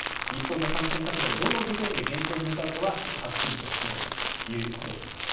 日本の感染拡大はどの時点で減少に向かうのかははっきりとはしないということです。